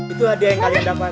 itu hadiah yang kalian dapat